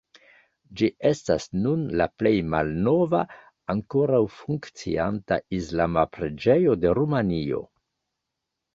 Ĝi estas nun la plej malnova, ankoraŭ funkcianta islama preĝejo de Rumanio.